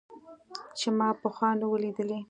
چې ما پخوا نه و ليدلى.